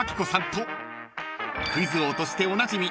［クイズ王としておなじみ